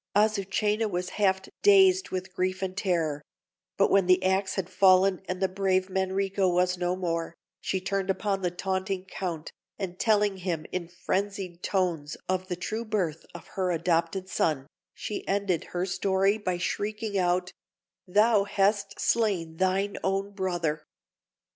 Azucena was half dazed with grief and terror; but when the axe had fallen, and the brave Manrico was no more, she turned upon the taunting Count, and telling him in frenzied tones of the true birth of her adopted son, she ended her story by shrieking out: "Thou hast slain thine own brother!"